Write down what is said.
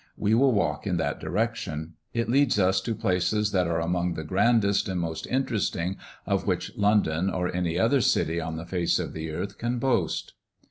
We will walk in that direction; it leads us to places that are among the grandest and most interesting of which London, or any other city on the face of the earth, can boast.